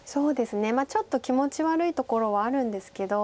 ちょっと気持ち悪いところはあるんですけど。